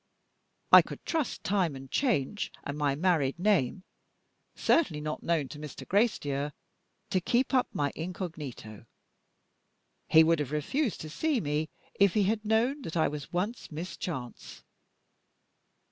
I could trust time and change, and my married name (certainly not known to Mr. Gracedieu) to keep up my incognito. He would have refused to see me if he had known that I was once Miss Chance."